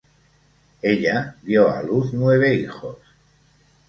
Ella dio a luz nueve hijos.